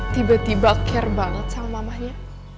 tiba tiba care banget sama mamanya